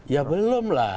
ya belum lah